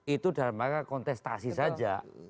itu dalam maka kontestasi saja